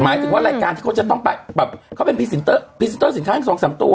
หมายถึงว่ารายการที่เขาจะต้องไปแบบเขาเป็นสินค้าสองสามตัว